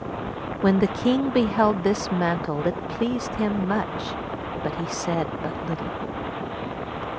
When the king beheld this mantle it pleased him much, but he said but little.